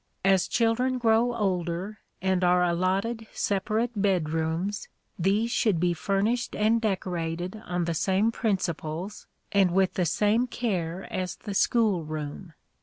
As children grow older, and are allotted separate bedrooms, these should be furnished and decorated on the same principles and with the same care as the school room.